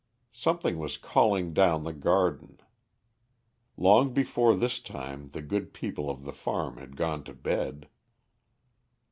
Something was calling down the garden. Long before this time the good people of the farm had gone to bed.